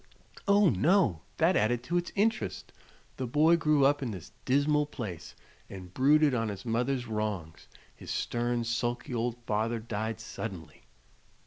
"Oh, no; that added to its interest. The boy grew up in this dismal place and brooded on his mother's wrongs. His stern, sulky old father died suddenly.